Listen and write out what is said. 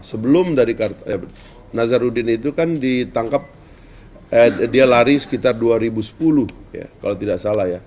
sebelum dari nazarudin itu kan ditangkap dia lari sekitar dua ribu sepuluh kalau tidak salah ya